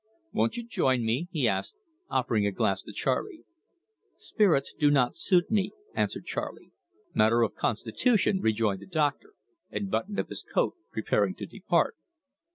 "Won't you join me?" he asked, offering a glass to Charley. "Spirits do not suit me," answered Charley. "Matter of constitution," rejoined the doctor, and buttoned up his coat, preparing to depart.